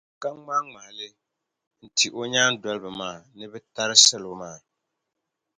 ka ŋmahiŋmahi li ti o nyaandoliba maa ni bɛ tari salo maa.